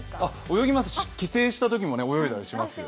泳ぎます、帰省したときも泳ぎに行ったりしますよ。